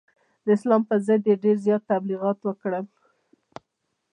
د اسلام پر ضد یې ډېر زیات تبلغیات وکړل.